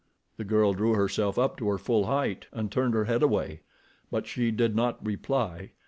The girl drew herself up to her full height, and turned her head away; but she did not reply.